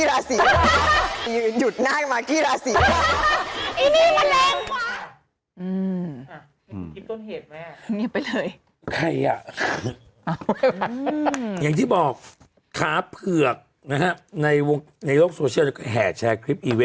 อ่ะอย่างที่บอกขาเผือกนะฮะในในโลกโซเชียลแห่แชร์คลิป